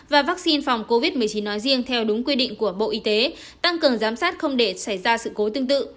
và vaccine phòng covid một mươi chín nói riêng theo đúng quy định của bộ y tế tăng cường giám sát không để xảy ra sự cố tương tự